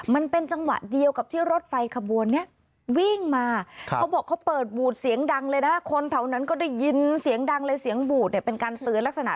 มันเป็นจังหวะเดียวกับที่รถไฟขบวนนี้วิ่งมา